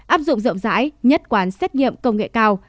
áp dụng rộng rãi nhất quán xét nghiệm công nghệ cao